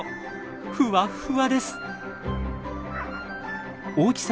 ふわっふわです。